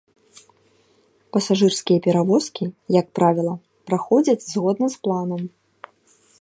Пасажырскія перавозкі, як правіла, праходзяць згодна з планам.